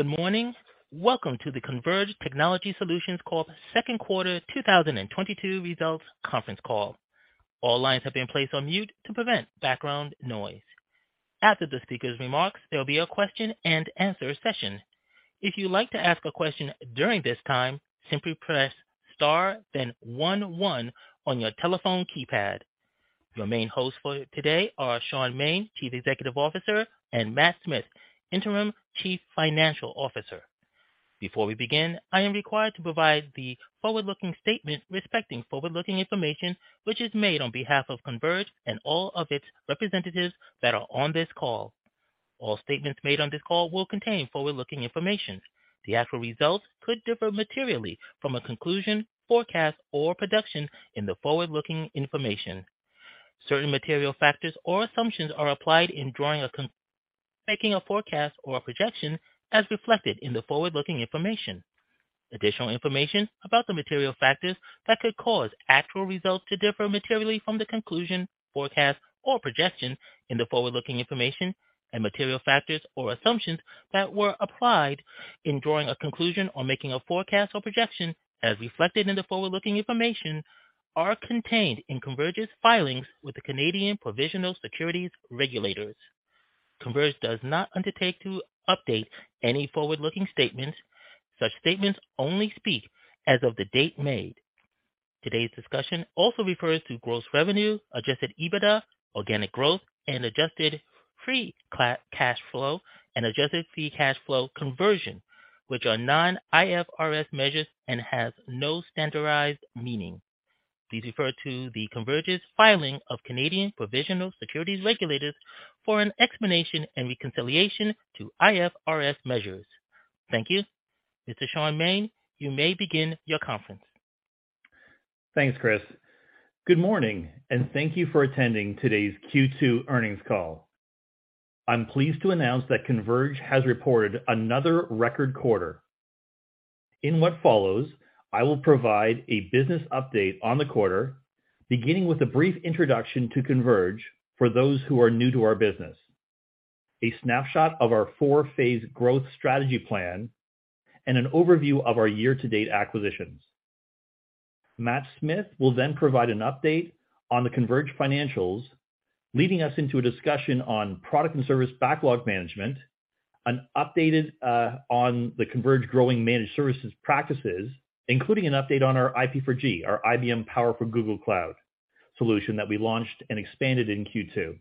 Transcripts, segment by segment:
Good morning. Welcome to the Converge Technology Solutions call, Q2 2022 results conference call. All lines have been placed on mute to prevent background noise. After the speaker's remarks, there'll be a question and answer session. If you'd like to ask a question during this time, simply press star, then one one on your telephone keypad. Your main hosts for today are Shaun Maine, Chief Executive Officer, and Matt Smith, Interim Chief Financial Officer. Before we begin, I am required to provide the forward-looking statement respecting forward-looking information which is made on behalf of Converge and all of its representatives that are on this call. All statements made on this call will contain forward-looking information. The actual results could differ materially from a conclusion, forecast or projection in the forward-looking information. Certain material factors or assumptions are applied in drawing a conclusion or making a forecast or a projection as reflected in the forward-looking information. Additional information about the material factors that could cause actual results to differ materially from the conclusion, forecast, or projections in the forward-looking information and material factors or assumptions that were applied in drawing a conclusion or making a forecast or projection as reflected in the forward-looking information are contained in Converge's filings with the Canadian Provincial Securities Regulators. Converge does not undertake to update any forward-looking statements. Such statements only speak as of the date made. Today's discussion also refers to gross revenue, adjusted EBITDA, organic growth, and adjusted free cash flow, and adjusted free cash flow conversion, which are non-IFRS measures and have no standardized meaning. Please refer to the Converge's filing of Canadian Provincial Securities Regulators for an explanation and reconciliation to IFRS measures. Thank you. Mr. Shaun Maine, you may begin your conference. Thanks, Chris. Good morning, and thank you for attending today's Q2 earnings call. I'm pleased to announce that Converge has reported another record quarter. In what follows, I will provide a business update on the quarter, beginning with a brief introduction to Converge for those who are new to our business, a snapshot of our four-phase growth strategy plan, and an overview of our year-to-date acquisitions. Matt Smith will then provide an update on the Converge financials, leading us into a discussion on product and service backlog management, an updated on the Converge growing managed services practices, including an update on our IP4G, our IBM Power for Google Cloud solution that we launched and expanded in Q2.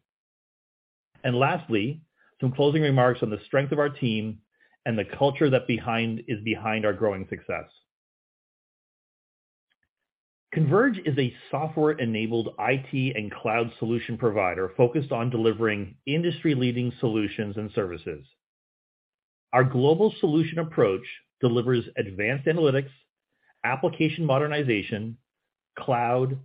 Lastly, some closing remarks on the strength of our team and the culture that is behind our growing success. Converge is a software-enabled IT and cloud solution provider focused on delivering industry-leading solutions and services. Our global solution approach delivers advanced analytics, application modernization, cloud,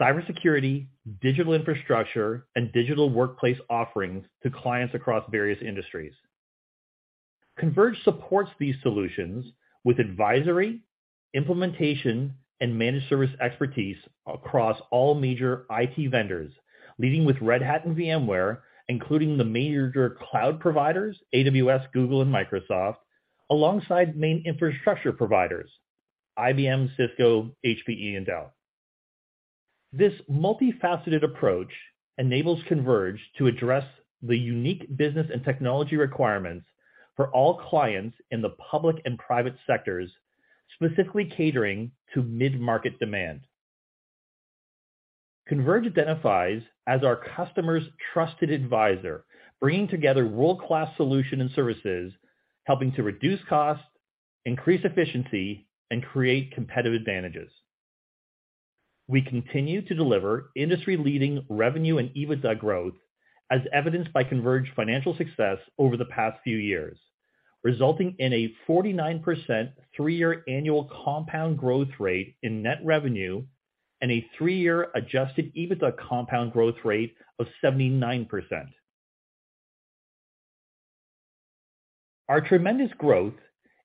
cybersecurity, digital infrastructure, and digital workplace offerings to clients across various industries. Converge supports these solutions with advisory, implementation, and managed service expertise across all major IT vendors, leading with Red Hat and VMware, including the major cloud providers, AWS, Google, and Microsoft, alongside main infrastructure providers, IBM, Cisco, HPE, and Dell. This multifaceted approach enables Converge to address the unique business and technology requirements for all clients in the public and private sectors, specifically catering to mid-market demand. Converge identifies as our customer's trusted advisor, bringing together world-class solution and services, helping to reduce costs, increase efficiency, and create competitive advantages. We continue to deliver industry-leading revenue and EBITDA growth as evidenced by Converge financial success over the past few years, resulting in a 49% three-year annual compound growth rate in net revenue and a three-year adjusted EBITDA compound growth rate of 79%. Our tremendous growth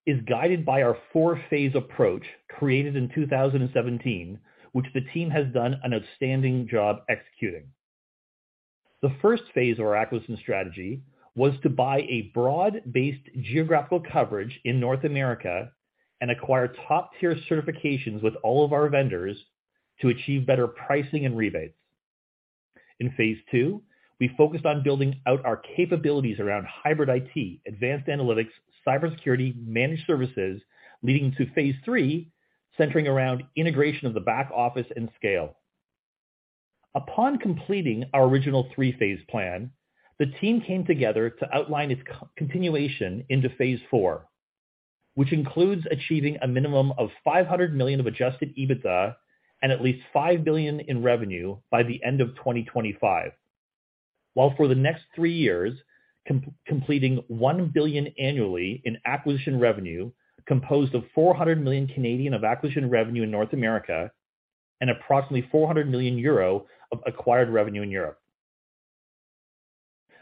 is guided by our four-phase approach created in 2017, which the team has done an outstanding job executing. The first phase of our acquisition strategy was to buy a broad-based geographical coverage in North America and acquire top-tier certifications with all of our vendors to achieve better pricing and rebates. In phase II, we focused on building out our capabilities around hybrid IT, advanced analytics, cybersecurity, managed services, leading to phase III, centering around integration of the back office and scale. Upon completing our original three-phase plan, the team came together to outline its continuation into phase IV, which includes achieving a minimum of 500 million of adjusted EBITDA and at least 5 billion in revenue by the end of 2025. While for the next three years, completing 1 billion annually in acquisition revenue, composed of 400 million of acquisition revenue in North America and approximately 400 million euro of acquired revenue in Europe.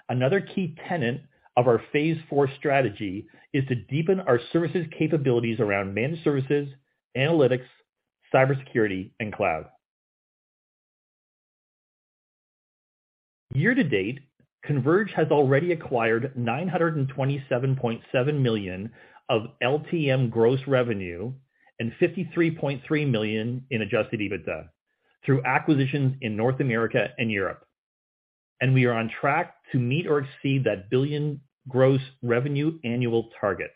Another key tenet of our phase four strategy is to deepen our services capabilities around managed services, analytics, cybersecurity, and cloud. Year to date, Converge has already acquired 927.7 million of LTM gross revenue and 53.3 million in adjusted EBITDA through acquisitions in North America and Europe. We are on track to meet or exceed that 1 billion gross revenue annual target.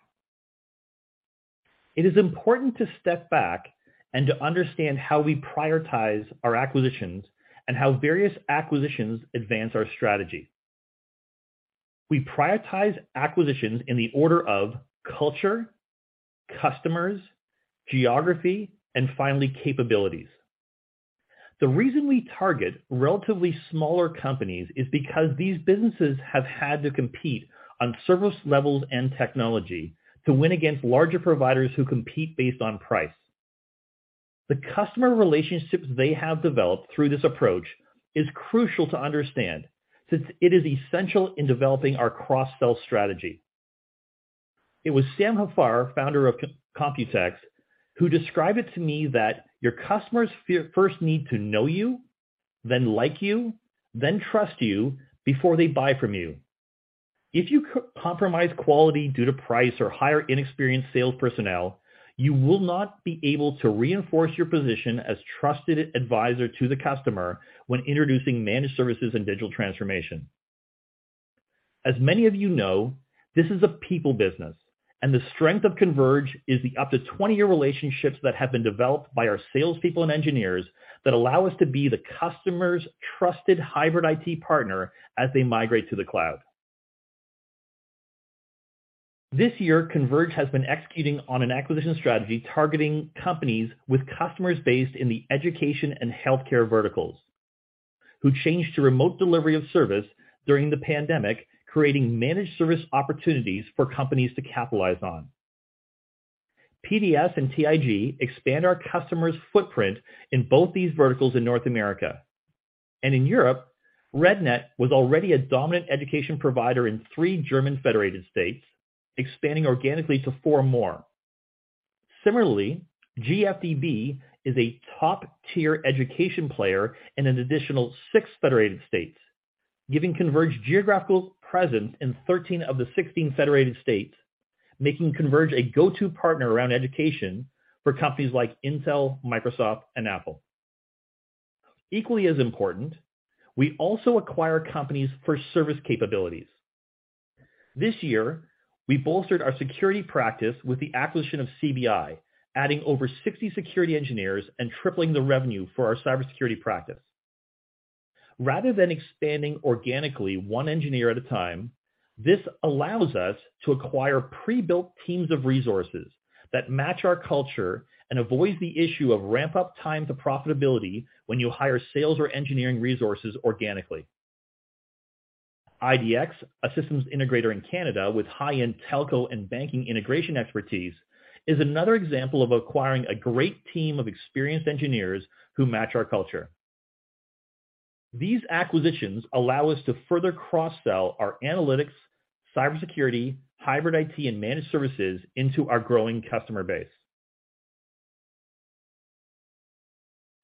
It is important to step back and to understand how we prioritize our acquisitions and how various acquisitions advance our strategy. We prioritize acquisitions in the order of culture, customers, geography, and finally, capabilities. The reason we target relatively smaller companies is because these businesses have had to compete on service levels and technology to win against larger providers who compete based on price. The customer relationships they have developed through this approach is crucial to understand, since it is essential in developing our cross-sell strategy. It was Sam Haffar, founder of Computex, who described it to me that your customers first need to know you, then like you, then trust you before they buy from you. If you compromise quality due to price or hire inexperienced sales personnel, you will not be able to reinforce your position as trusted advisor to the customer when introducing managed services and digital transformation. As many of you know, this is a people business, and the strength of Converge is the up to 20-year relationships that have been developed by our salespeople and engineers that allow us to be the customer's trusted hybrid IT partner as they migrate to the cloud. This year, Converge has been executing on an acquisition strategy targeting companies with customers based in the education and healthcare verticals, who changed to remote delivery of service during the pandemic, creating managed service opportunities for companies to capitalize on. PDS and TIG expand our customers' footprint in both these verticals in North America. In Europe, REDNET was already a dominant education provider in three German federated states, expanding organically to four more. Similarly, GfdB is a top-tier education player in an additional six federated states, giving Converge geographical presence in 13 of the 16 federated states, making Converge a go-to partner around education for companies like Intel, Microsoft, and Apple. Equally as important, we also acquire companies for service capabilities. This year, we bolstered our security practice with the acquisition of Creative Breakthroughs, Inc, adding over 60 security engineers and tripling the revenue for our cybersecurity practice. Rather than expanding organically one engineer at a time, this allows us to acquire pre-built teams of resources that match our culture and avoids the issue of ramp-up time to profitability when you hire sales or engineering resources organically. IDX, a systems integrator in Canada with high-end telco and banking integration expertise, is another example of acquiring a great team of experienced engineers who match our culture. These acquisitions allow us to further cross-sell our analytics, cybersecurity, hybrid IT, and managed services into our growing customer base.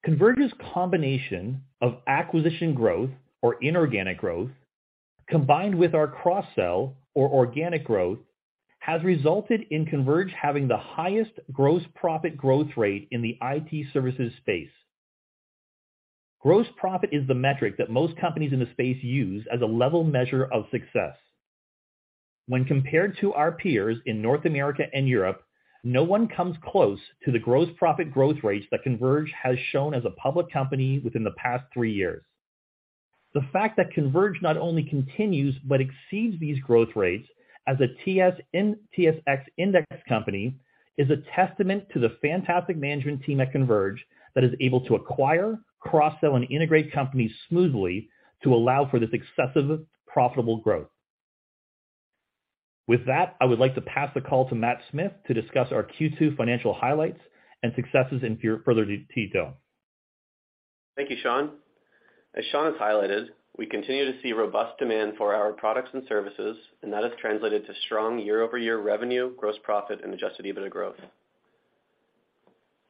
Converge's combination of acquisition growth or inorganic growth, combined with our cross-sell or organic growth, has resulted in Converge having the highest gross profit growth rate in the IT services space. Gross profit is the metric that most companies in the space use as a level measure of success. When compared to our peers in North America and Europe, no one comes close to the gross profit growth rates that Converge has shown as a public company within the past three years. The fact that Converge not only continues but exceeds these growth rates as a TSX indexed company is a testament to the fantastic management team at Converge that is able to acquire, cross-sell, and integrate companies smoothly to allow for this excessive profitable growth. With that, I would like to pass the call to Matt Smith to discuss our Q2 financial highlights and successes in further detail. Thank you, Shaun. As Shaun has highlighted, we continue to see robust demand for our products and services, and that has translated to strong year-over-year revenue, gross profit, and adjusted EBITDA growth.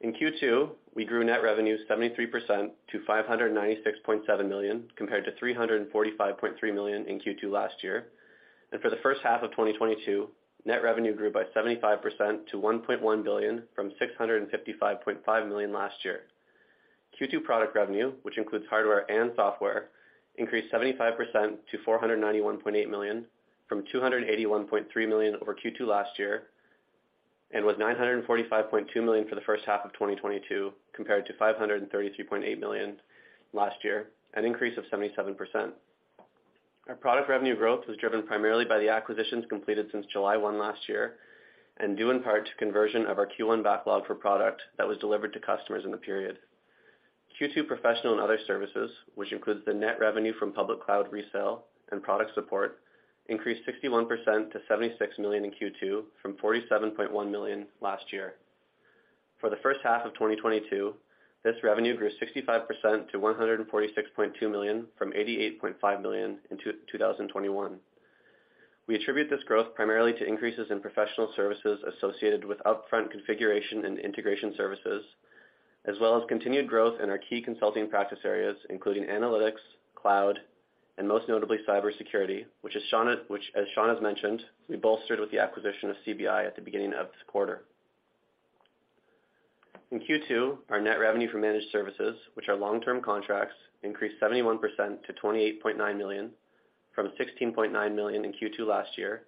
In Q2, we grew net revenue 73% to 596.7 million, compared to 345.3 million in Q2 last year. For the first half of 2022, net revenue grew by 75% to 1.1 billion from 655.5 million last year. Q2 product revenue, which includes hardware and software, increased 75% to 491.8 million, from 281.3 million over Q2 last year, and was 945.2 million for the first half of 2022, compared to 532.8 million last year, an increase of 77%. Our product revenue growth was driven primarily by the acquisitions completed since July 1 last year and due in part to conversion of our Q1 backlog for product that was delivered to customers in the period. Q2 professional and other services, which includes the net revenue from public cloud resale and product support, increased 61% to 76 million in Q2 from 47.1 million last year. For the first half of 2022, this revenue grew 65% to 146.2 million, from 88.5 million in 2021. We attribute this growth primarily to increases in professional services associated with upfront configuration and integration services, as well as continued growth in our key consulting practice areas, including analytics, cloud, and most notably, cybersecurity, which, as Shaun has mentioned, we bolstered with the acquisition of Creative Breakthroughs, Inc at the beginning of this quarter. In Q2, our net revenue for managed services, which are long-term contracts, increased 71% to 28.9 million, from 16.9 million in Q2 last year.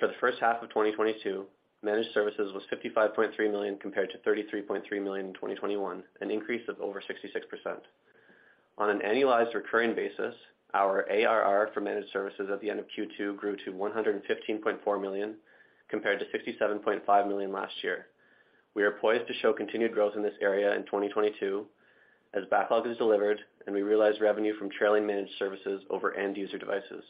For the first half of 2022, managed services was 55.3 million, compared to 33.3 million in 2021, an increase of over 66%. On an annualized recurring basis, our ARR for managed services at the end of Q2 grew to 115.4 million, compared to 67.5 million last year. We are poised to show continued growth in this area in 2022 as backlog is delivered and we realize revenue from trailing managed services over end user devices.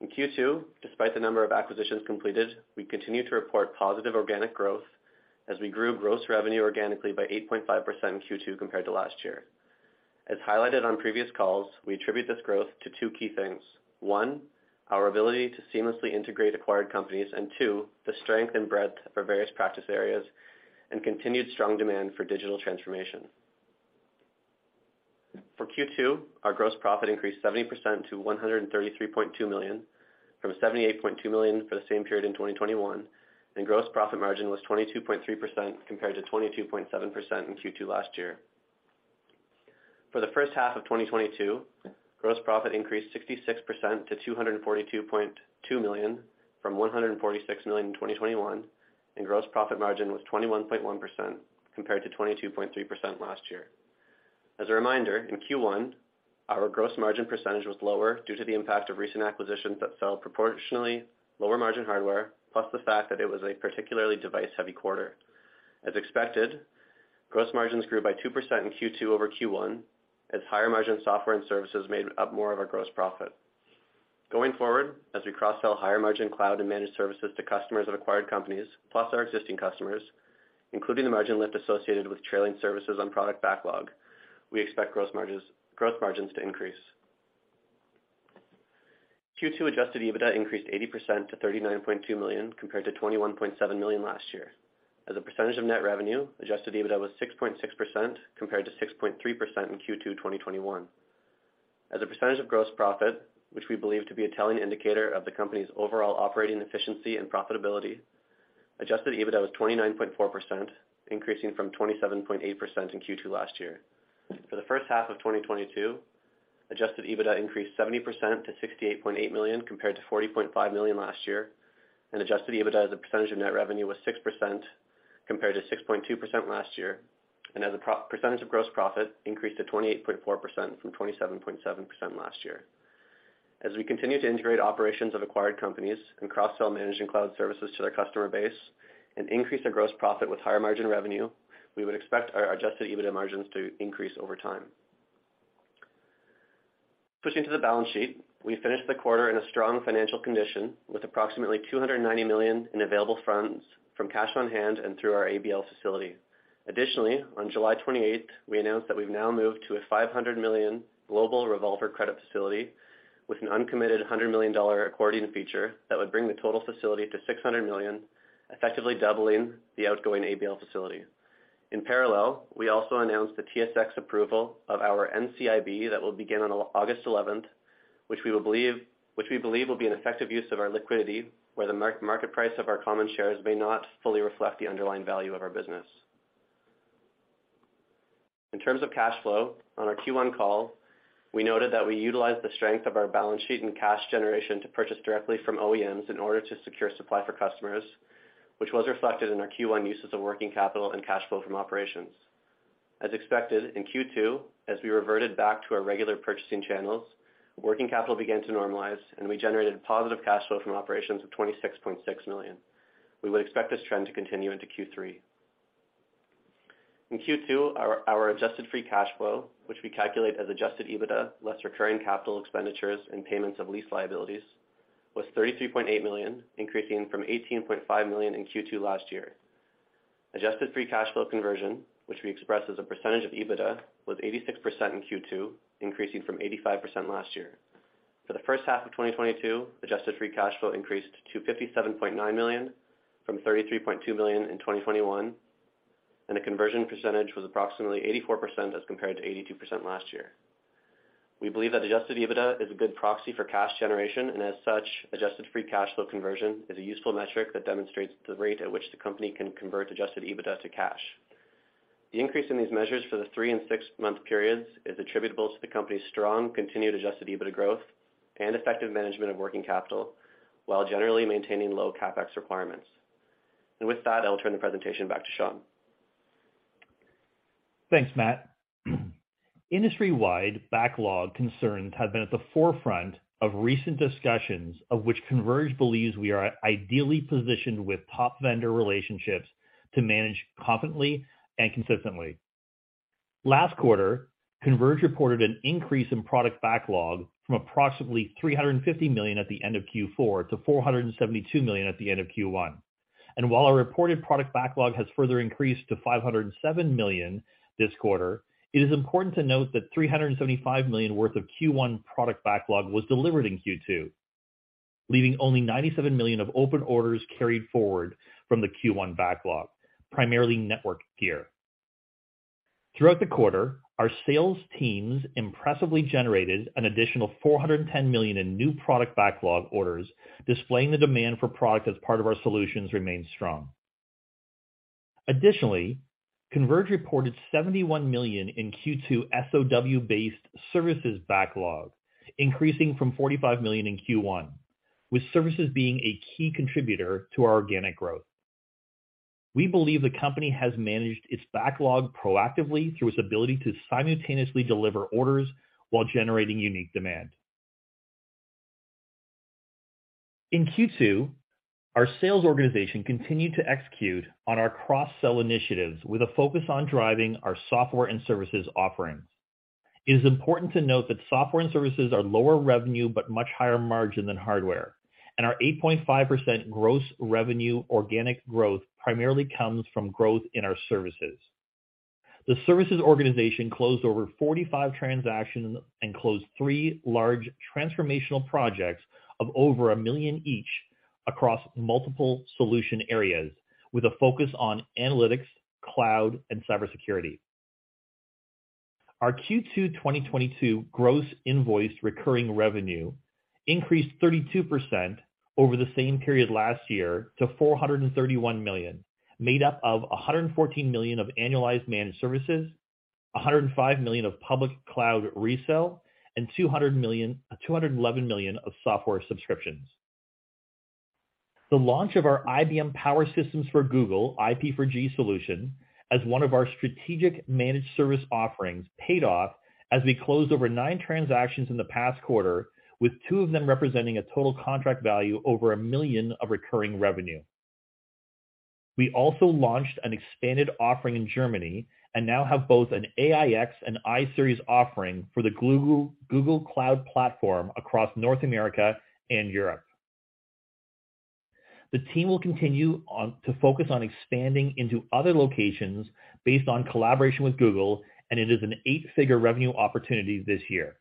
In Q2, despite the number of acquisitions completed, we continue to report positive organic growth as we grew gross revenue organically by 8.5% in Q2 compared to last year. As highlighted on previous calls, we attribute this growth to two key things. One, our ability to seamlessly integrate acquired companies, and two, the strength and breadth of our various practice areas and continued strong demand for digital transformation. For Q2, our gross profit increased 70% to 133.2 million, from 78.2 million for the same period in 2021, and gross profit margin was 22.3% compared to 22.7% in Q2 last year. For the first half of 2022, gross profit increased 66% to 242.2 million from 146 million in 2021, and gross profit margin was 21.1% compared to 22.3% last year. As a reminder, in Q1, our gross margin percentage was lower due to the impact of recent acquisitions that sell proportionally lower-margin hardware, plus the fact that it was a particularly device-heavy quarter. As expected, gross margins grew by 2% in Q2 over Q1 as higher margin software and services made up more of our gross profit. Going forward, as we cross-sell higher margin cloud and managed services to customers of acquired companies, plus our existing customers, including the margin lift associated with trailing services on product backlog, we expect gross margins to increase. Q2 adjusted EBITDA increased 80% to 39.2 million, compared to 21.7 million last year. As a percentage of net revenue, adjusted EBITDA was 6.6% compared to 6.3% in Q2 2021. As a percentage of gross profit, which we believe to be a telling indicator of the company's overall operating efficiency and profitability, adjusted EBITDA was 29.4%, increasing from 27.8% in Q2 last year. For the first half of 2022, adjusted EBITDA increased 70% to 68.8 million compared to 40.5 million last year. Adjusted EBITDA as a percentage of net revenue was 6% compared to 6.2% last year, and as a percentage of gross profit increased to 28.4% from 27.7% last year. As we continue to integrate operations of acquired companies and cross-sell managed and cloud services to their customer base and increase their gross profit with higher margin revenue, we would expect our adjusted EBITDA margins to increase over time. Pushing to the balance sheet, we finished the quarter in a strong financial condition with approximately 290 million in available funds from cash on hand and through our ABL facility. Additionally, on July 28th, we announced that we've now moved to a $500 million global revolver credit facility with an uncommitted $100 million accordion feature that would bring the total facility to $600 million, effectively doubling the outgoing ABL facility. In parallel, we also announced the TSX approval of our NCIB that will begin on August 11th, which we believe will be an effective use of our liquidity, where the market price of our common shares may not fully reflect the underlying value of our business. In terms of cash flow, on our Q1 call, we noted that we utilized the strength of our balance sheet and cash generation to purchase directly from OEMs in order to secure supply for customers, which was reflected in our Q1 uses of working capital and cash flow from operations. As expected, in Q2, as we reverted back to our regular purchasing channels, working capital began to normalize, and we generated positive cash flow from operations of 26.6 million. We would expect this trend to continue into Q3. In Q2, our adjusted free cash flow, which we calculate as adjusted EBITDA less recurring capital expenditures and payments of lease liabilities, was 33.8 million, increasing from 18.5 million in Q2 last year. Adjusted free cash flow conversion, which we express as a percentage of EBITDA, was 86% in Q2, increasing from 85% last year. For the first half of 2022, adjusted free cash flow increased to 57.9 million from 33.2 million in 2021, and the conversion percentage was approximately 84% as compared to 82% last year. We believe that adjusted EBITDA is a good proxy for cash generation, and as such, adjusted free cash flow conversion is a useful metric that demonstrates the rate at which the company can convert adjusted EBITDA to cash. The increase in these measures for the three and six-month periods is attributable to the company's strong continued adjusted EBITDA growth and effective management of working capital while generally maintaining low CapEx requirements. With that, I will turn the presentation back to Shaun Maine. Thanks, Matt. Industry-wide backlog concerns have been at the forefront of recent discussions of which Converge believes we are ideally positioned with top vendor relationships to manage competently and consistently. Last quarter, Converge reported an increase in product backlog from approximately 350 million at the end of Q4 to 472 million at the end of Q1. While our reported product backlog has further increased to 507 million this quarter, it is important to note that 375 million worth of Q1 product backlog was delivered in Q2, leaving only 97 million of open orders carried forward from the Q1 backlog, primarily network gear. Throughout the quarter, our sales teams impressively generated an additional 410 million in new product backlog orders, displaying the demand for product as part of our solutions remains strong. Additionally, Converge reported 71 million in Q2 SOW-based services backlog, increasing from 45 million in Q1, with services being a key contributor to our organic growth. We believe the company has managed its backlog proactively through its ability to simultaneously deliver orders while generating unique demand. In Q2, our sales organization continued to execute on our cross-sell initiatives with a focus on driving our software and services offerings. It is important to note that software and services are lower revenue but much higher margin than hardware, and our 8.5% gross revenue organic growth primarily comes from growth in our services. The services organization closed over 45 transactions and closed three large transformational projects of over 1 million each across multiple solution areas, with a focus on analytics, cloud, and cybersecurity. Our Q2 2022 gross invoiced recurring revenue increased 32% over the same period last year to 431 million, made up of 114 million of annualized managed services, 105 million of public cloud resale, and 211 million of software subscriptions. The launch of our IBM Power for Google Cloud IP4G solution, as one of our strategic managed service offerings paid off as we closed over nine transactions in the past quarter, with two of them representing a total contract value over 1 million of recurring revenue. We also launched an expanded offering in Germany and now have both an AIX and iSeries offering for the Google Cloud platform across North America and Europe. The team will continue to focus on expanding into other locations based on collaboration with Google, and it is an eight-figure revenue opportunity this year.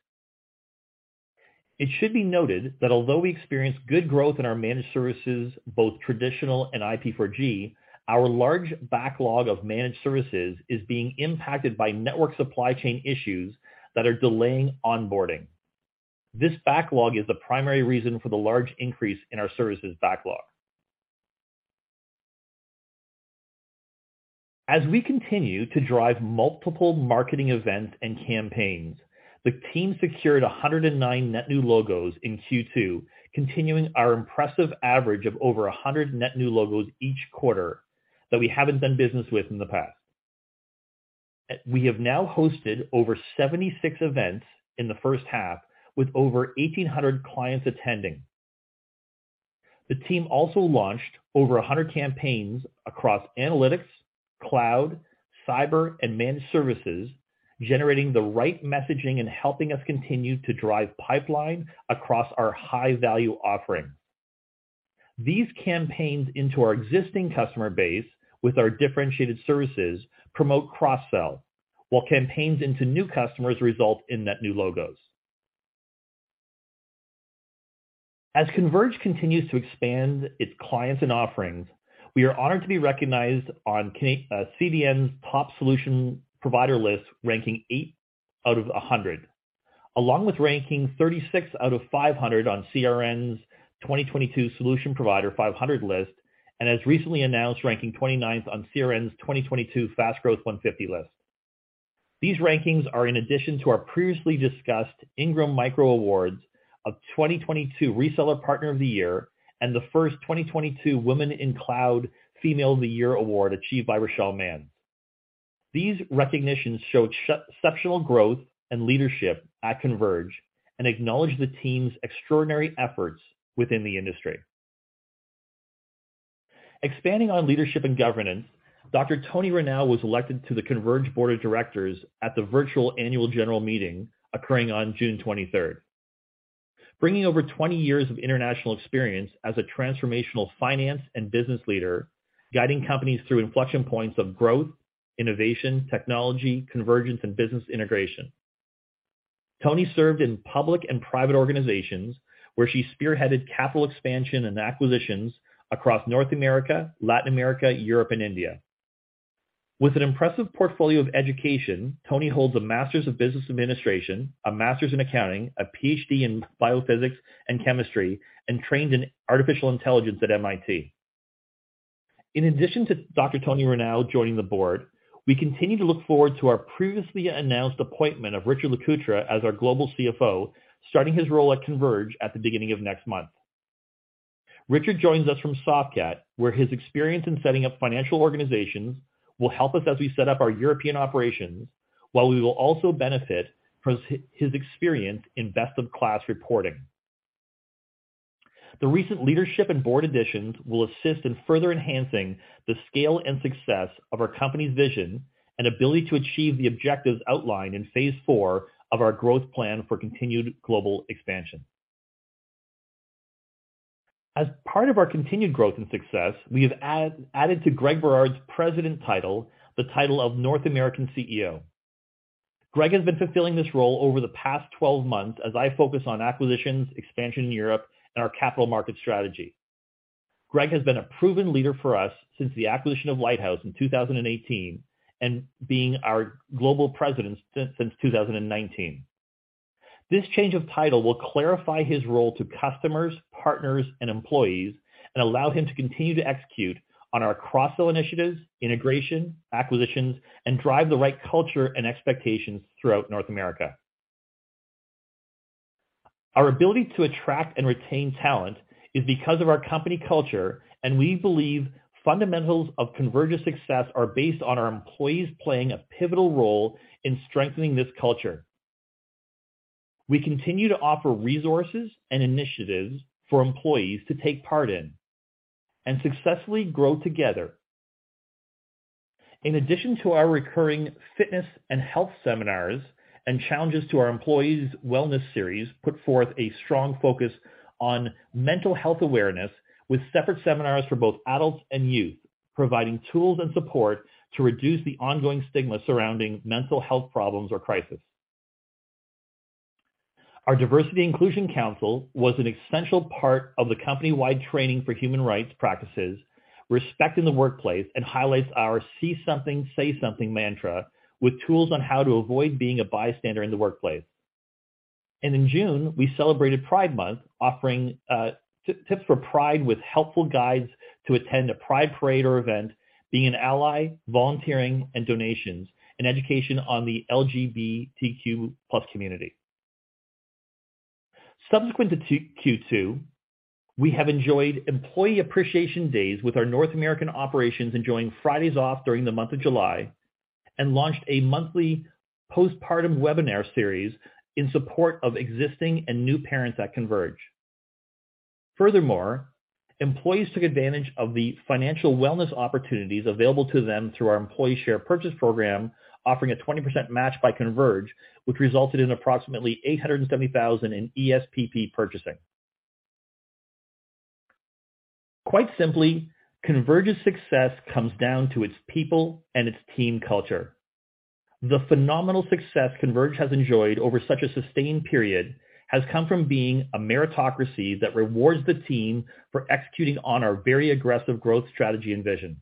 It should be noted that although we experienced good growth in our managed services, both traditional and IP4G, our large backlog of managed services is being impacted by network supply chain issues that are delaying onboarding. This backlog is the primary reason for the large increase in our services backlog. As we continue to drive multiple marketing events and campaigns, the team secured 109 net new logos in Q2, continuing our impressive average of over 100 net new logos each quarter that we haven't done business with in the past. We have now hosted over 76 events in the first half with over 1,800 clients attending. The team also launched over 100 campaigns across analytics, cloud, cyber, and managed services, generating the right messaging and helping us continue to drive pipeline across our high-value offering. These campaigns into our existing customer base with our differentiated services promote cross-sell, while campaigns into new customers result in net new logos. As Converge continues to expand its clients and offerings, we are honored to be recognized on CRN's Top Solution Provider list, ranking eight out of 100, along with ranking 36 out of 500 on CRN's 2022 Solution Provider 500 list, and as recently announced, ranking 29th on CRN's 2022 Fast Growth 150 list. These rankings are in addition to our previously discussed Ingram Micro awards of 2022 Reseller Partner of the Year and the first 2022 Women in Cloud Female of the Year award achieved by Rochelle Manns. These recognitions show exceptional growth and leadership at Converge and acknowledge the team's extraordinary efforts within the industry. Expanding on leadership and governance, Dr. Toni Rinow was elected to the Converge Board of Directors at the virtual annual general meeting occurring on June 23rd. Bringing over 20 years of international experience as a transformational finance and business leader, guiding companies through inflection points of growth, innovation, technology, convergence, and business integration. Toni Reinert served in public and private organizations where she spearheaded capital expansion and acquisitions across North America, Latin America, Europe, and India. With an impressive portfolio of education, Toni holds a Master's of Business Administration, a Master's in Accounting, a PhD in Biophysics and Chemistry, and trained in Artificial Intelligence at MIT. In addition to Dr. Toni Rinow joining the board, we continue to look forward to our previously announced appointment of Richard Lecoutre as our Global CFO, starting his role at Converge at the beginning of next month. Richard joins us from Softcat, where his experience in setting up financial organizations will help us as we set up our European operations, while we will also benefit from his experience in best-of-class reporting. The recent leadership and board additions will assist in further enhancing the scale and success of our company's vision and ability to achieve the objectives outlined in phase four of our growth plan for continued global expansion. As part of our continued growth and success, we have added to Greg Berard's president title, the title of North American CEO. Greg has been fulfilling this role over the past 12 months as I focus on acquisitions, expansion in Europe, and our capital market strategy. Greg has been a proven leader for us since the acquisition of Lighthouse in 2018 and being our global president since 2019. This change of title will clarify his role to customers, partners, and employees and allow him to continue to execute on our cross-sell initiatives, integration, acquisitions, and drive the right culture and expectations throughout North America. Our ability to attract and retain talent is because of our company culture, and we believe fundamentals of Converge success are based on our employees playing a pivotal role in strengthening this culture. We continue to offer resources and initiatives for employees to take part in and successfully grow together. In addition to our recurring fitness and health seminars and challenges to our employees, wellness series put forth a strong focus on mental health awareness with separate seminars for both adults and youth, providing tools and support to reduce the ongoing stigma surrounding mental health problems or crisis. Our Diversity Inclusion Council was an essential part of the company-wide training for human rights practices, respect in the workplace, and highlights our see something, say something mantra with tools on how to avoid being a bystander in the workplace. In June, we celebrated Pride Month, offering tips for pride with helpful guides to attend a pride parade or event, being an ally, volunteering and donations, and education on the LGBTQ+ community. Subsequent to Q2, we have enjoyed employee appreciation days with our North American operations, enjoying Fridays off during the month of July, and launched a monthly postpartum webinar series in support of existing and new parents at Converge. Furthermore, employees took advantage of the financial wellness opportunities available to them through our employee share purchase program, offering a 20% match by Converge, which resulted in approximately 870,000 in ESPP purchasing. Quite simply, Converge's success comes down to its people and its team culture. The phenomenal success Converge has enjoyed over such a sustained period has come from being a meritocracy that rewards the team for executing on our very aggressive growth strategy and vision.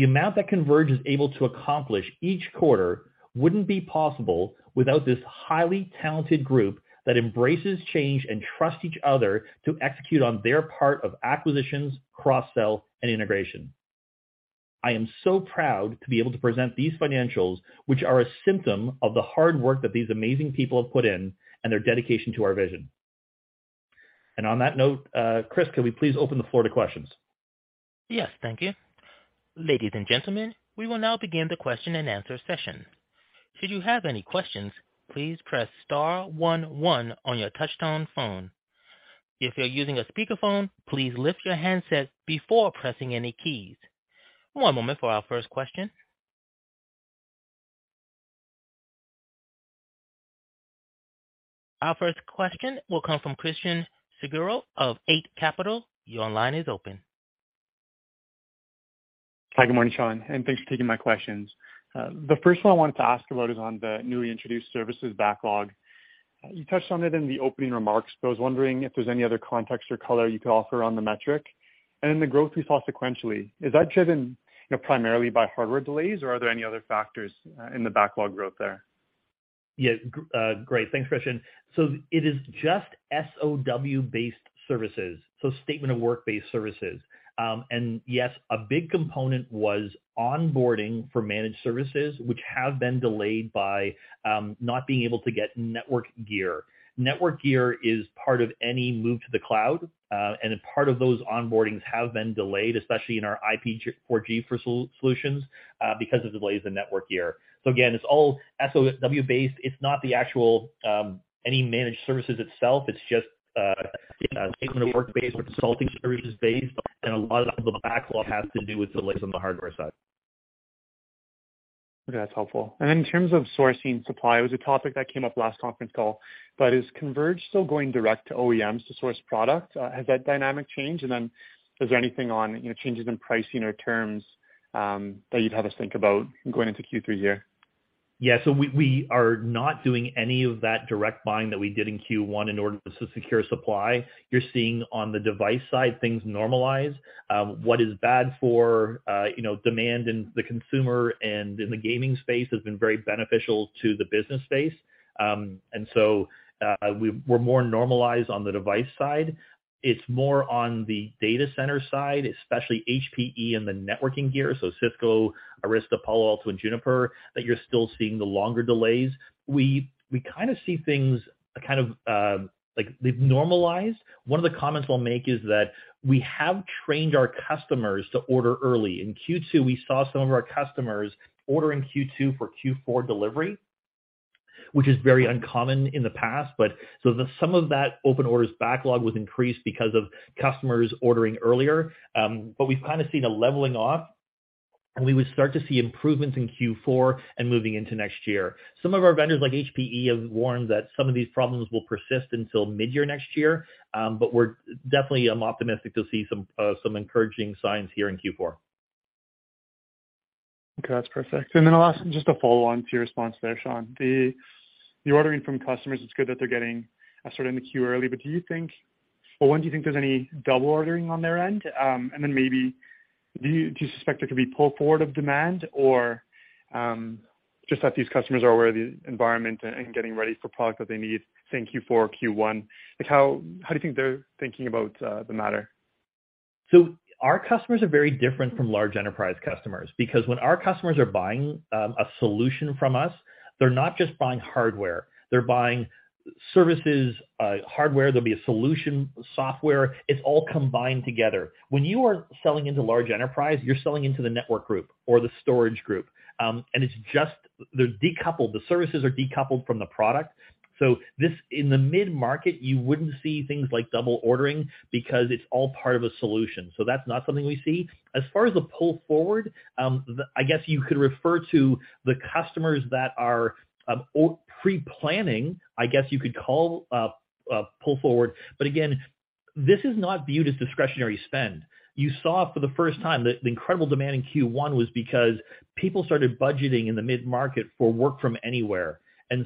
The amount that Converge is able to accomplish each quarter wouldn't be possible without this highly talented group that embraces change and trusts each other to execute on their part of acquisitions, cross-sell, and integration. I am so proud to be able to present these financials, which are a symptom of the hard work that these amazing people have put in and their dedication to our vision. On that note, Chris, can we please open the floor to questions? Yes, thank you. Ladies and gentlemen, we will now begin the question and answer session. Should you have any questions, please press star one one on your touch-tone phone. If you're using a speakerphone, please lift your handsets before pressing any keys. One moment for our first question. Our first question will come from Christian Sgro of Eight Capital. Your line is open. Hi. Good morning, Shaun Maine, and thanks for taking my questions. The first one I wanted to ask about is on the newly introduced services backlog. You touched on it in the opening remarks, but I was wondering if there's any other context or color you could offer on the metric. The growth we saw sequentially, is that driven, you know, primarily by hardware delays, or are there any other factors in the backlog growth there? Yeah. Great. Thanks, Christian. It is just SOW-based services, statement of work-based services. Yes, a big component was onboarding for managed services, which have been delayed by not being able to get network gear. Network gear is part of any move to the cloud, a part of those onboardings have been delayed, especially in our IP4G solutions, because of delays in network gear. Again, it's all SOW based. It's not the actual any managed services itself. It's just, you know, statement of work-based or consulting services based, a lot of the backlog has to do with delays on the hardware side. Okay. That's helpful. In terms of sourcing supply, it was a topic that came up last conference call, but is Converge still going direct to OEMs to source product? Has that dynamic changed? Is there anything on, you know, changes in pricing or terms, that you'd have us think about going into Q3 here? Yeah. We are not doing any of that direct buying that we did in Q1 in order to secure supply. You're seeing on the device side things normalize. What is bad for, you know, demand in the consumer and in the gaming space has been very beneficial to the business space. We're more normalized on the device side. It's more on the data center side, especially HPE and the networking gear, so Cisco, Arista, Palo Alto, and Juniper, that you're still seeing the longer delays. We kind of see things kind of like they've normalized. One of the comments I'll make is that we have trained our customers to order early. In Q2, we saw some of our customers ordering Q2 for Q4 delivery, which is very uncommon in the past. Some of that open orders backlog was increased because of customers ordering earlier. We've kinda seen a leveling off. We would start to see improvements in Q4 and moving into next year. Some of our vendors, like HPE, have warned that some of these problems will persist until mid-year next year. Definitely I'm optimistic you'll see some encouraging signs here in Q4. Okay, that's perfect. The last, just to follow on to your response there, Shaun. The ordering from customers, it's good that they're getting a start in the queue early. Do you think? Well, one, do you think there's any double ordering on their end? And then maybe do you suspect there could be pull forward of demand or, just that these customers are aware of the environment and getting ready for product that they need, say, in Q4, Q1? Like, how do you think they're thinking about, the matter? Our customers are very different from large enterprise customers because when our customers are buying a solution from us, they're not just buying hardware. They're buying services, hardware. There'll be a solution software. It's all combined together. When you are selling into large enterprise, you're selling into the network group or the storage group. It's just. They're decoupled. The services are decoupled from the product. This, in the mid-market, you wouldn't see things like double ordering because it's all part of a solution. That's not something we see. As far as the pull forward, I guess you could refer to the customers that are pre-planning, I guess you could call pull forward. Again, this is not viewed as discretionary spend. You saw for the first time the incredible demand in Q1 was because people started budgeting in the mid-market for work from anywhere.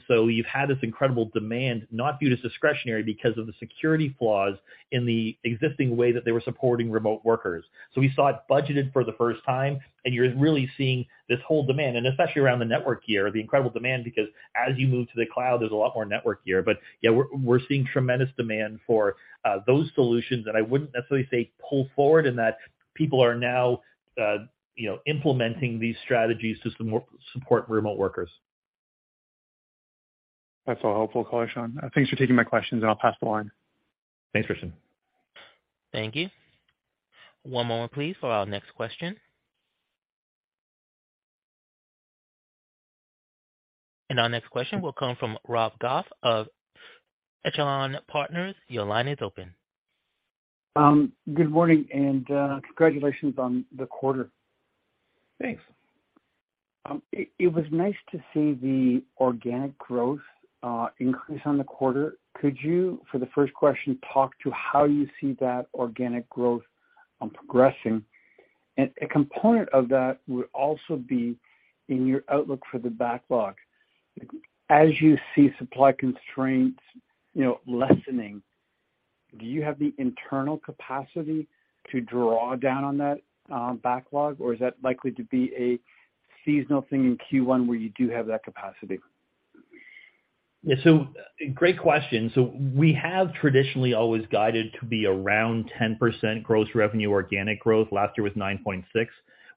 You've had this incredible demand not viewed as discretionary because of the security flaws in the existing way that they were supporting remote workers. We saw it budgeted for the first time, and you're really seeing this whole demand, and especially around the network gear, the incredible demand, because as you move to the cloud, there's a lot more network gear. Yeah, we're seeing tremendous demand for those solutions, and I wouldn't necessarily say pull forward in that people are now you know, implementing these strategies to support remote workers. That's all helpful, Shaun. Thanks for taking my questions, and I'll pass the line. Thanks, Christian. Thank you. One moment please for our next question. Our next question will come from Rob Goff of Echelon Partners. Your line is open. Good morning and congratulations on the quarter. Thanks. It was nice to see the organic growth increase on the quarter. Could you, for the first question, talk to how you see that organic growth progressing? A component of that would also be in your outlook for the backlog. As you see supply constraints, you know, lessening, do you have the internal capacity to draw down on that backlog, or is that likely to be a seasonal thing in Q1 where you do have that capacity? Yeah. Great question. We have traditionally always guided to be around 10% gross revenue organic growth. Last year was 9.6%.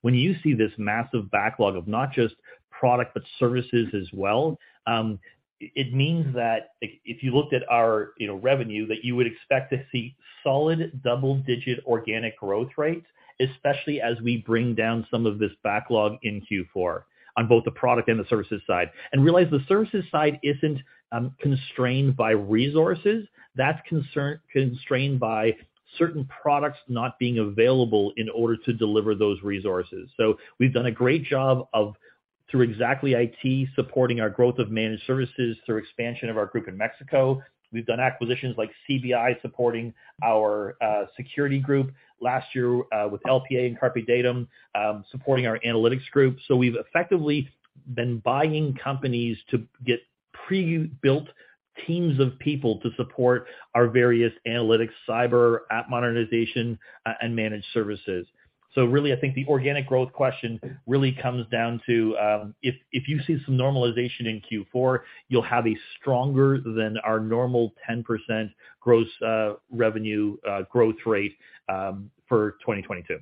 When you see this massive backlog of not just product, but services as well, it means that if you looked at our, you know, revenue, that you would expect to see solid double-digit organic growth rates, especially as we bring down some of this backlog in Q4 on both the product and the services side. Realize the services side isn't constrained by resources. That's resource-constrained by certain products not being available in order to deliver those resources. We've done a great job of, through ExactlyIT, supporting our growth of managed services through expansion of our group in Mexico. We've done acquisitions like Creative Breakthroughs supporting our security group last year, with LPA and CarpeDatum supporting our analytics group. We've effectively been buying companies to get pre-built teams of people to support our various analytics, cyber, app modernization, and managed services. Really, I think the organic growth question really comes down to if you see some normalization in Q4, you'll have a stronger than our normal 10% gross revenue growth rate for 2022.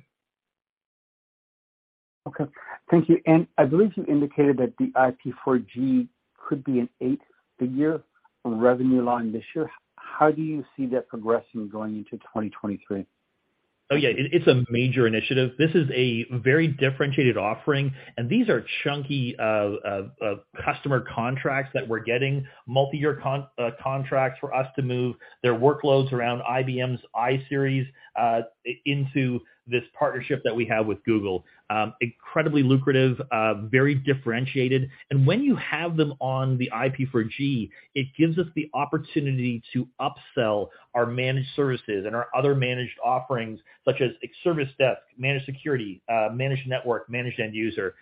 Okay. Thank you. I believe you indicated that the IP4G could be an eight-figure revenue line this year. How do you see that progressing going into 2023? Oh, yeah. It's a major initiative. This is a very differentiated offering, and these are chunky customer contracts that we're getting, multi-year contracts for us to move their workloads around IBM's iSeries into this partnership that we have with Google. Incredibly lucrative, very differentiated. When you have them on the IP4G, it gives us the opportunity to upsell our managed services and our other managed offerings, such as service desk, managed security, managed network, managed end user.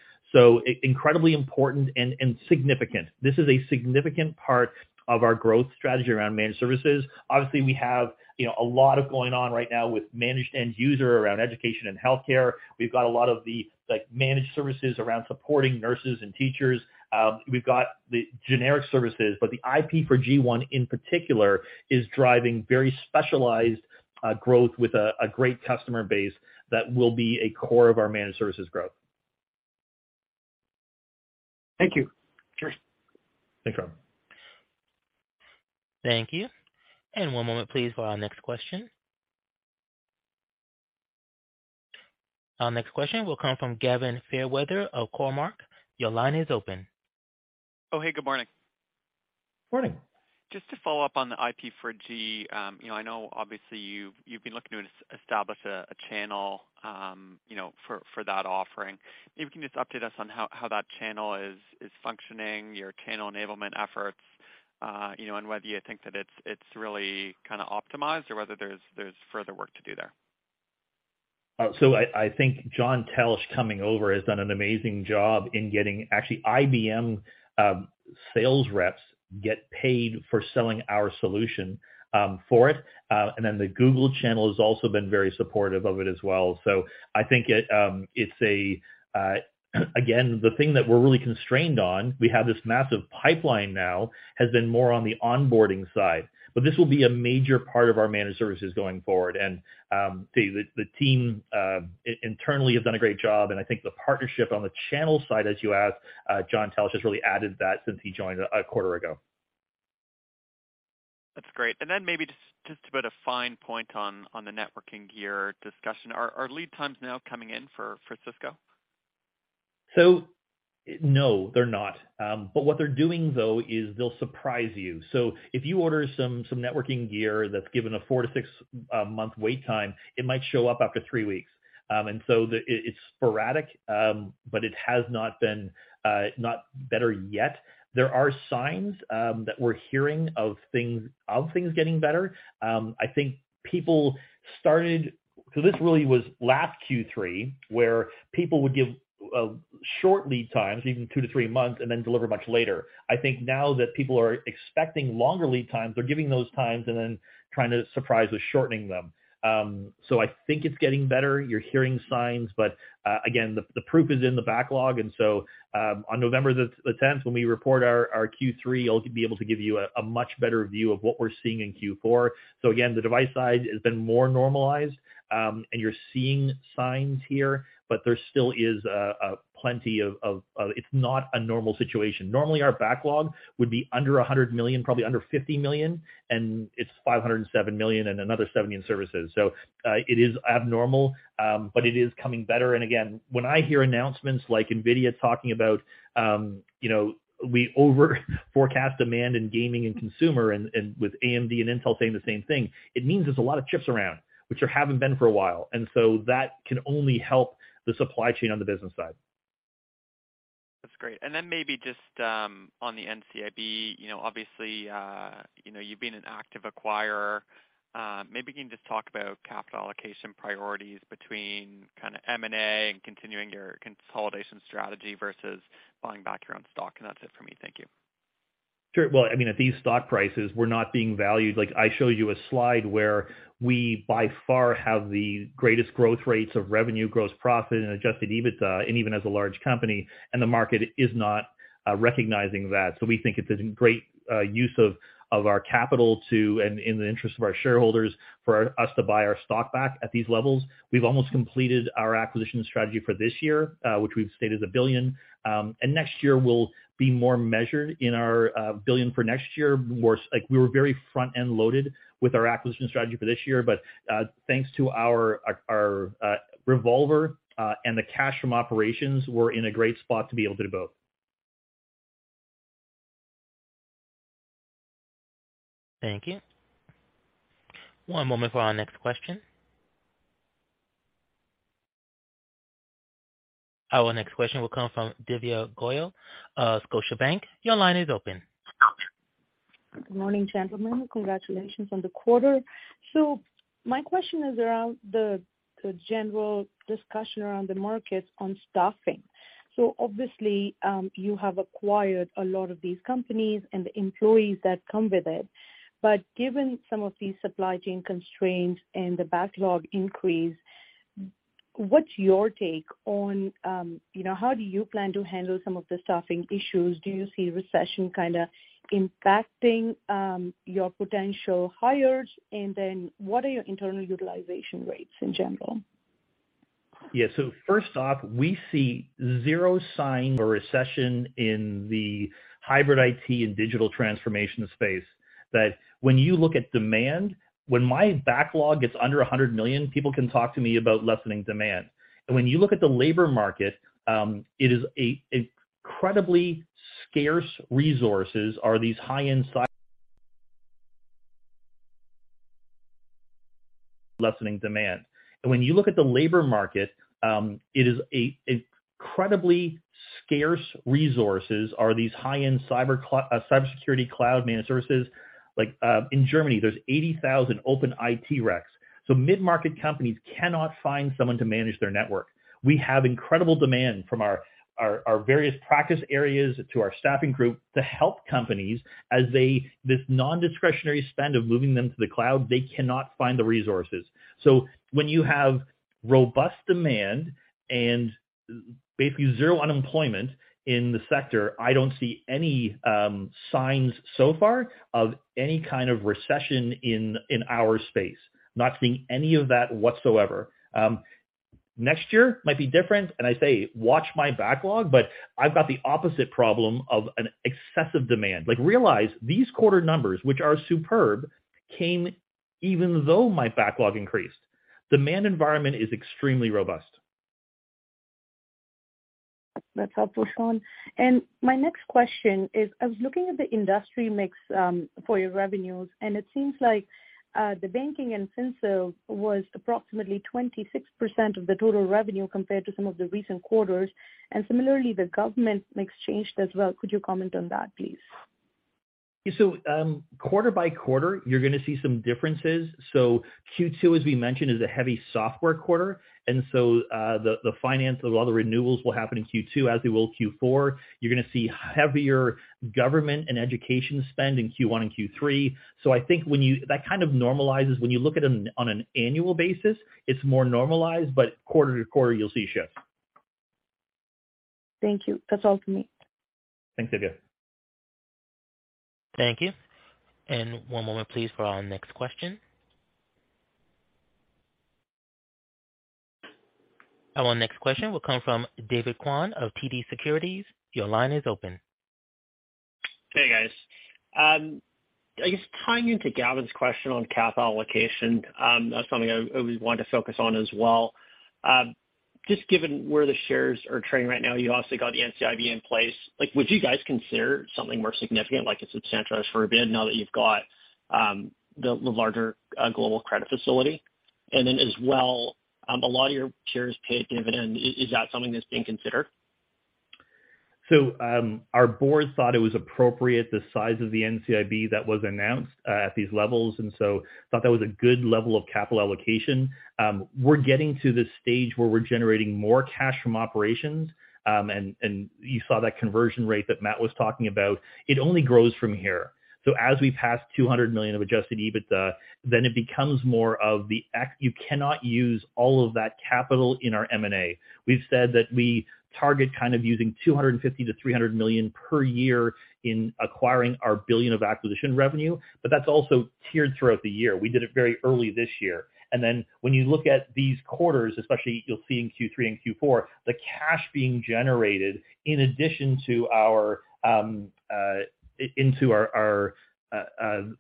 Incredibly important and significant. This is a significant part of our growth strategy around managed services. Obviously, we have, you know, a lot of going on right now with managed end user around education and healthcare. We've got a lot of the, like, managed services around supporting nurses and teachers. We've got the generic services. The IP4G one in particular is driving very specialized growth with a great customer base that will be a core of our managed services growth. Thank you. Cheers. Thanks, Rob. Thank you. One moment please for our next question. Our next question will come from Gavin Fairweather of Cormark. Your line is open. Oh, hey, good morning. Morning. Just to follow up on the IP4G. I know obviously you've been looking to establish a channel for that offering. If you can just update us on how that channel is functioning, your channel enablement efforts, and whether you think that it's really kinda optimized or whether there's further work to do there. I think John Teltsch coming over has done an amazing job in getting actually IBM sales reps get paid for selling our solution for it. Then the Google channel has also been very supportive of it as well. I think it's a, again, the thing that we're really constrained on, we have this massive pipeline now, has been more on the onboarding side. This will be a major part of our managed services going forward. The team internally have done a great job, and I think the partnership on the channel side, as you ask, John Teltsch has really added that since he joined a quarter ago. That's great. Maybe just to put a fine point on the networking gear discussion. Are lead times now coming in for Cisco? No, they're not. What they're doing though is they'll surprise you. If you order some networking gear that's given a four to six month wait time, it might show up after three weeks. It's sporadic, but it has not been better yet. There are signs that we're hearing of things getting better. This really was last Q3 where people would give short lead times, even two to three months, and then deliver much later. I think now that people are expecting longer lead times, they're giving those times and then trying to surprise us shortening them. I think it's getting better. You're hearing signs. Again, the proof is in the backlog. On November the 10th, when we report our Q3, I'll be able to give you a much better view of what we're seeing in Q4. The device side has been more normalized, and you're seeing signs here, but there still is. It's not a normal situation. Normally, our backlog would be under 100 million, probably under 50 million, and it's 507 million and another 70 million in services. It is abnormal, but it is getting better. When I hear announcements like NVIDIA talking about, you know, we overforecast demand in gaming and consumer and with AMD and Intel saying the same thing, it means there's a lot of chips around, which there haven't been for a while. That can only help the supply chain on the business side. That's great. Maybe just on the NCIB, you know, obviously, you know, you've been an active acquirer. Maybe you can just talk about capital allocation priorities between kinda M&A and continuing your consolidation strategy versus buying back your own stock. That's it for me. Thank you. Sure. Well, I mean, at these stock prices, we're not being valued. Like, I showed you a slide where we by far have the greatest growth rates of revenue, gross profit, and adjusted EBITDA, and even as a large company, and the market is not recognizing that. We think it's a great use of our capital to and in the interest of our shareholders, for us to buy our stock back at these levels. We've almost completed our acquisition strategy for this year, which we've stated 1 billion. Next year will be more measured in our 1 billion for next year. Like, we were very front-end loaded with our acquisition strategy for this year. Thanks to our revolver and the cash from operations, we're in a great spot to be able to do both. Thank you. One moment for our next question. Our next question will come from Divya Goyal of Scotiabank. Your line is open. Good morning, gentlemen. Congratulations on the quarter. My question is around the general discussion around the market on staffing. Obviously, you have acquired a lot of these companies and the employees that come with it. Given some of these supply chain constraints and the backlog increase, what's your take on, you know, how do you plan to handle some of the staffing issues? Do you see recession kinda impacting your potential hires? And then what are your internal utilization rates in general? Yeah. First off, we see zero signs of recession in the hybrid IT and digital transformation space, that when you look at demand, when my backlog is under 100 million, people can talk to me about lessening demand. When you look at the labor market, it is incredibly scarce resources are these high-end cybersecurity cloud-managed services. Like, in Germany, there's 80,000 open IT recs. Mid-market companies cannot find someone to manage their network. We have incredible demand from our various practice areas to our staffing group to help companies this non-discretionary spend of moving them to the cloud, they cannot find the resources. When you have robust demand and basically zero unemployment in the sector, I don't see any signs so far of any kind of recession in our space. Not seeing any of that whatsoever. Next year might be different, and I say watch my backlog, but I've got the opposite problem of an excessive demand. Like, realize these quarter numbers, which are superb, came even though my backlog increased. Demand environment is extremely robust. That's helpful, Shaun. My next question is, I was looking at the industry mix for your revenues, and it seems like the banking and financial services was approximately 26% of the total revenue compared to some of the recent quarters, and similarly, the government mix changed as well. Could you comment on that, please? Yeah. Quarter by quarter, you're gonna see some differences. Q2, as we mentioned, is a heavy software quarter, and so the finance of all the renewals will happen in Q2, as they will Q4. You're gonna see heavier government and education spend in Q1 and Q3. I think that kind of normalizes. When you look at 'em on an annual basis, it's more normalized, but quarter to quarter you'll see a shift. Thank you. That's all for me. Thanks, Divya. Thank you. One moment please for our next question. Our next question will come from David Kwan of TD Securities. Your line is open. Hey, guys. I guess tying into Gavin's question on capital allocation, that's something I really wanted to focus on as well. Just given where the shares are trading right now, you obviously got the NCIB in place. Like, would you guys consider something more significant like a substantial issuer bid now that you've got the larger global credit facility? As well, a lot of your shares pay a dividend. Is that something that's being considered? Our board thought it was appropriate, the size of the NCIB that was announced at these levels, and thought that was a good level of capital allocation. We're getting to the stage where we're generating more cash from operations, and you saw that conversion rate that Matt was talking about. It only grows from here. As we pass 200 million of adjusted EBITDA, you cannot use all of that capital in our M&A. We've said that we target kind of using 250 million-300 million per year in acquiring our billion of acquisition revenue, but that's also tiered throughout the year. We did it very early this year. When you look at these quarters, especially you'll see in Q3 and Q4, the cash being generated in addition to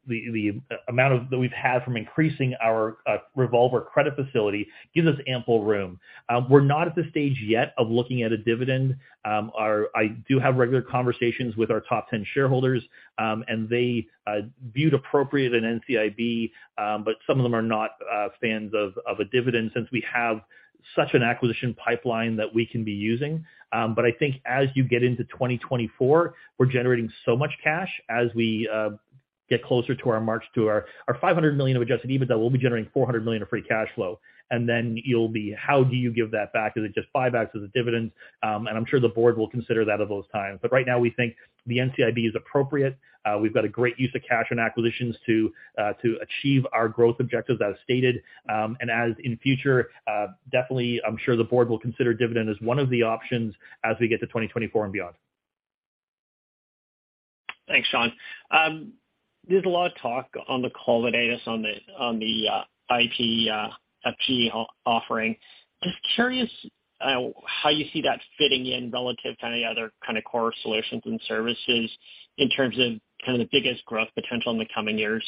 the amount that we've had from increasing our revolver credit facility gives us ample room. We're not at the stage yet of looking at a dividend. I do have regular conversations with our top 10 shareholders, and they view an NCIB appropriate, but some of them are not fans of a dividend since we have such an acquisition pipeline that we can be using. But I think as you get into 2024, we're generating so much cash as we get closer to our march to our 500 million of adjusted EBITDA, we'll be generating 400 million of free cash flow. It'll be, how do you give that back? Is it just buybacks? Is it dividends? I'm sure the board will consider that at those times. Right now we think the NCIB is appropriate. We've got a great use of cash and acquisitions to achieve our growth objectives as stated. In future, definitely, I'm sure the board will consider dividend as one of the options as we get to 2024 and beyond. Thanks, Shaun. There's a lot of talk on the call today just on the IP offering. Just curious how you see that fitting in relative to any other kinda core solutions and services in terms of kinda the biggest growth potential in the coming years.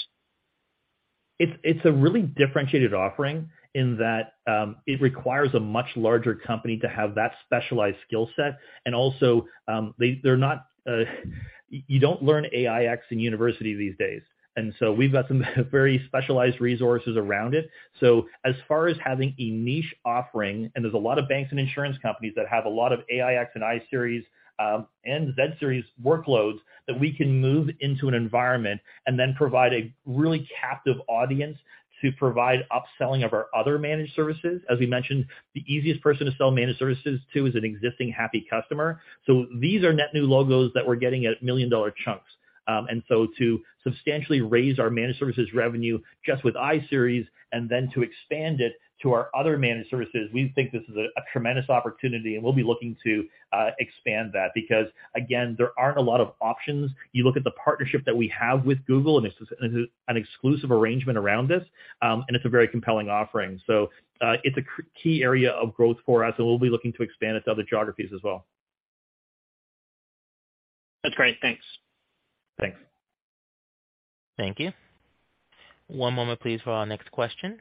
It's a really differentiated offering in that it requires a much larger company to have that specialized skill set. You don't learn AIX in university these days. We've got some very specialized resources around it. As far as having a niche offering, there's a lot of banks and insurance companies that have a lot of AIX and iSeries and zSeries workloads that we can move into an environment and then provide a really captive audience to provide upselling of our other managed services. As we mentioned, the easiest person to sell managed services to is an existing happy customer. These are net new logos that we're getting at million-dollar chunks. To substantially raise our managed services revenue just with iSeries and then to expand it to our other managed services, we think this is a tremendous opportunity, and we'll be looking to expand that. Because again, there aren't a lot of options. You look at the partnership that we have with Google, and this is an exclusive arrangement around this, and it's a very compelling offering. It's a key area of growth for us, and we'll be looking to expand it to other geographies as well. That's great. Thanks. Thanks. Thank you. One moment please for our next question.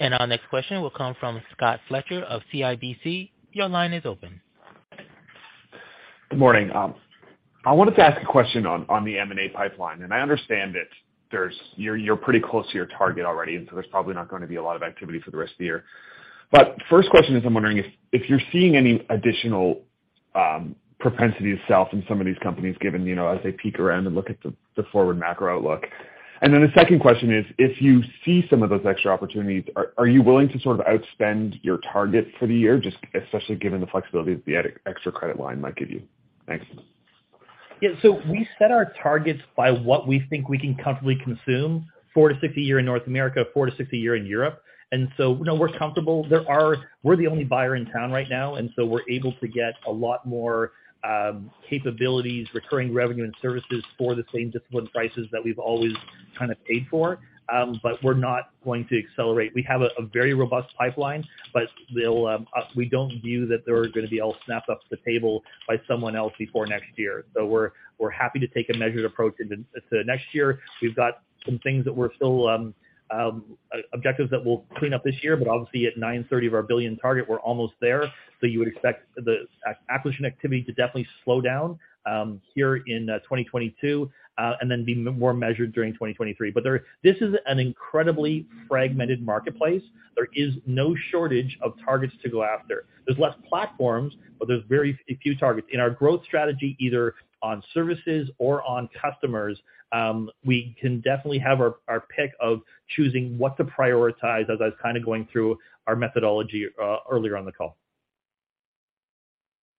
Our next question will come from Scott Fletcher of CIBC. Your line is open. Good morning. I wanted to ask a question on the M&A pipeline, and I understand that you're pretty close to your target already, and so there's probably not gonna be a lot of activity for the rest of the year. First question is I'm wondering if you're seeing any additional propensity itself in some of these companies given, you know, as they peek around and look at the forward macro outlook. Then the second question is, if you see some of those extra opportunities, are you willing to sort of outspend your target for the year, just especially given the flexibility that the extra credit line might give you? Thanks. Yeah. We set our targets by what we think we can comfortably consume, four to six a year in North America, four to six a year in Europe. You know, we're comfortable. We're the only buyer in town right now, and we're able to get a lot more capabilities, recurring revenue and services for the same disciplined prices that we've always kinda paid for. We're not going to accelerate. We have a very robust pipeline. We don't view that they're gonna be all snapped up off the table by someone else before next year. We're happy to take a measured approach into next year. We've got some things that we're still objectives that we'll clean up this year, but obviously at 930 million of our 1 billion target, we're almost there. You would expect the acquisition activity to definitely slow down here in 2022 and then be more measured during 2023. But this is an incredibly fragmented marketplace. There is no shortage of targets to go after. There's less platforms, but there's very few targets. In our growth strategy, either on services or on customers, we can definitely have our pick of choosing what to prioritize as I was kinda going through our methodology earlier on the call.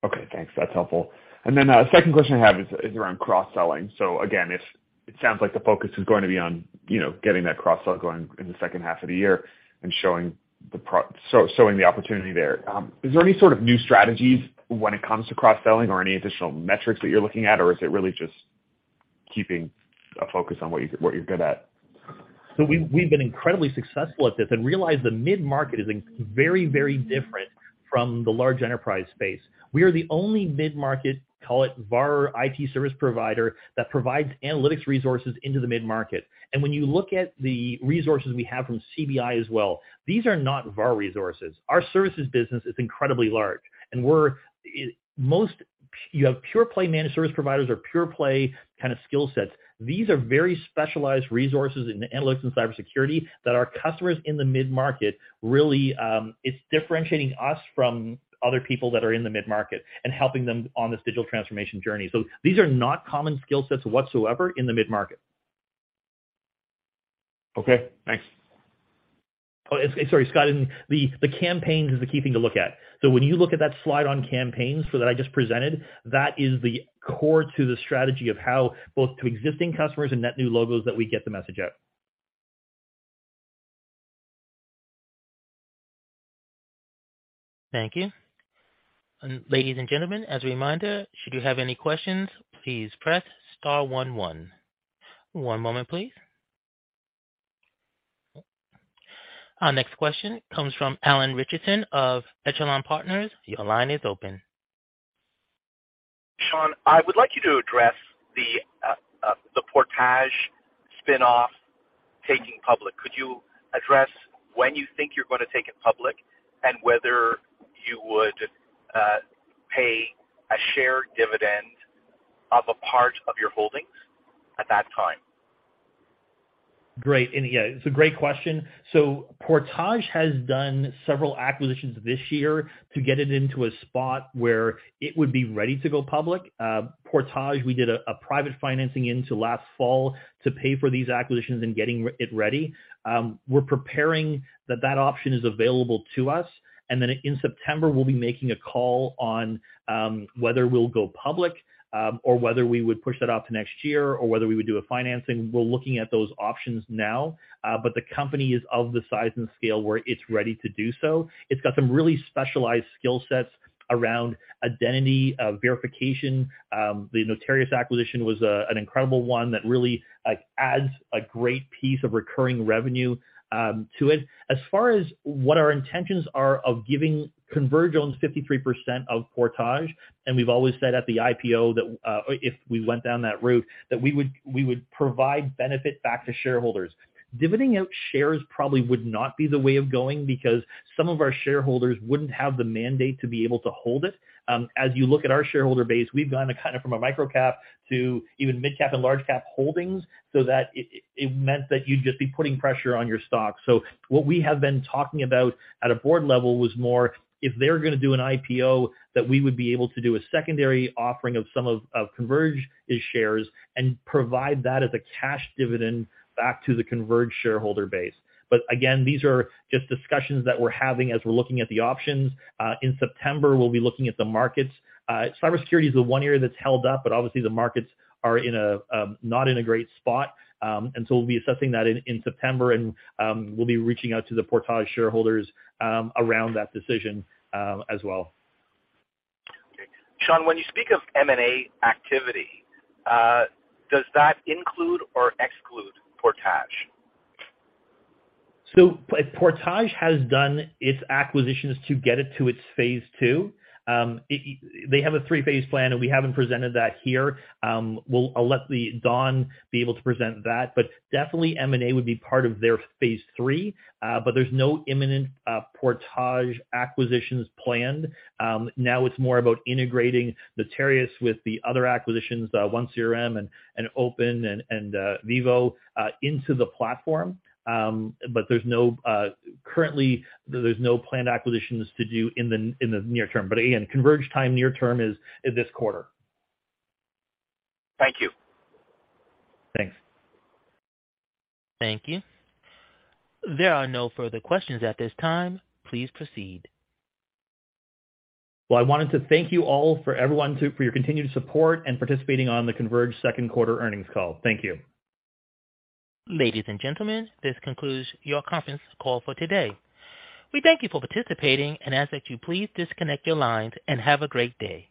Okay, thanks. That's helpful. Second question I have is around cross-selling. Again, if it sounds like the focus is going to be on, you know, getting that cross-sell going in the second half of the year and showing the opportunity there. Is there any sort of new strategies when it comes to cross-selling or any additional metrics that you're looking at? Or is it really just keeping a focus on what you're good at? We've been incredibly successful at this. Realize the mid-market is very, very different from the large enterprise space. We are the only mid-market, call it, VAR IT service provider that provides analytics resources into the mid-market. When you look at the resources we have from CIBC as well, these are not VAR resources. Our services business is incredibly large. You have pure play managed service providers or pure play kinda skill sets. These are very specialized resources in analytics and cybersecurity that our customers in the mid-market really. It's differentiating us from other people that are in the mid-market and helping them on this digital transformation journey. These are not common skill sets whatsoever in the mid-market. Okay, thanks. Oh, sorry, Scott. The campaigns is the key thing to look at. When you look at that slide on campaigns, so that I just presented, that is the core to the strategy of how both to existing customers and net new logos that we get the message out. Thank you. Ladies and gentlemen, as a reminder, should you have any questions, please press star one one. One moment, please. Our next question comes from Alan Richardson of Echelon Partners. Your line is open. Shaun Maine, I would like you to address Portage spin-off taking public. Could you address when you think you're gonna take it public and whether you would pay a share dividend of a part of your holdings at that time? Great. Yeah, it's a great Portage has done several acquisitions this year to get it into a spot where it would be ready to go public. Portage, we did a private financing in the fall to pay for these acquisitions and getting it ready. We're preparing. That option is available to us. In September, we'll be making a call on whether we'll go public or whether we would push that out to next year or whether we would do a financing. We're looking at those options now, but the company is of the size and scale where it's ready to do so. It's got some really specialized skill sets around identity verification. The Notarius acquisition was an incredible one that really, like, adds a great piece of recurring revenue to it. As far as what our intentions are of giving Converge's 53% of Portage, and we've always said at the IPO that, if we went down that route, that we would provide benefit back to shareholders. Dividending out shares probably would not be the way of going because some of our shareholders wouldn't have the mandate to be able to hold it. As you look at our shareholder base, we've gone kind of from a micro-cap to even mid-cap and large-cap holdings so that it meant that you'd just be putting pressure on your stock. What we have been talking about at a board level was more, if they're gonna do an IPO, that we would be able to do a secondary offering of some of Converge shares and provide that as a cash dividend back to the Converge shareholder base. Again, these are just discussions that we're having as we're looking at the options. In September, we'll be looking at the markets. Cybersecurity is the one area that's held up, but obviously the markets are in a not great spot. We'll be assessing that in September, and we'll be reaching out to the Portage shareholders around that decision as well. Okay. Shaun, when you speak of M&A activity, does that include or exclude Portage? Portage has done its acquisitions to get it to its phase two. They have a three-phase plan, and we haven't presented that here. I'll let Don be able to present that. Definitely M&A would be part of their phase three, but there's no imminent Portage acquisitions planned. Now it's more about integrating Notarius with the other acquisitions, the 1CRM and OPIN and Vivvo into the platform. Currently, there's no planned acquisitions to do in the near term. Again, Converge time near term is this quarter. Thank you. Thanks. Thank you. There are no further questions at this time. Please proceed. Well, I wanted to thank you all for your continued support and participating on the Converge second quarter earnings call. Thank you. Ladies and gentlemen, this concludes your conference call for today. We thank you for participating and ask that you please disconnect your lines, and have a great day.